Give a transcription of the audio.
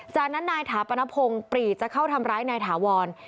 จากนั้นนายถาปนพงศ์ปรีจะเข้าทำร้ายนายถาวร